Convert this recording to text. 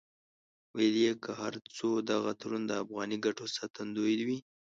ویل یې که هر څو دغه تړون د افغاني ګټو ساتندوی وي.